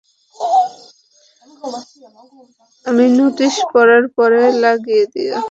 আমি নোটিশ পরার, পরে লাগিয়ে দিও।